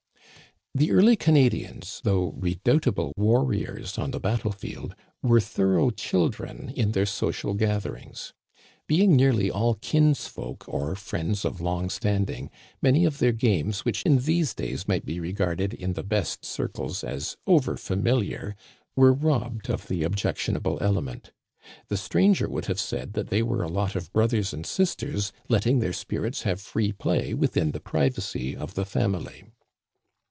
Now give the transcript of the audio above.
The early Canadians, though redoubtable warriors on the battle field, were thorough children in their social gatherings. Being nearly all kinsfolk or friends of long standing, many of their games which in these days might be regarded in the best circles as overfamiliar were robbed of the objectionable element. The stranger would have said that they were a lot of brothers and sisters letting their spirits have free play within the pri vacy of the family.